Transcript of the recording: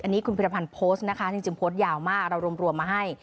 อันนี้คุณพิรพันธ์โพสต์นะคะจริงโพสต์ยาวมากเรารวมมาให้